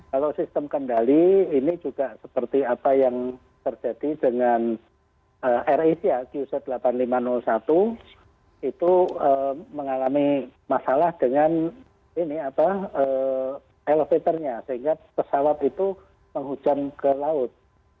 kalau sistem kendali ini juga seperti apa yang terjadi dengan air asia qc delapan ribu lima ratus satu itu mengalami masalah dengan elevatornya sehingga pesawat itu menghujan ke laut